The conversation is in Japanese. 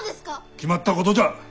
決まったことだ。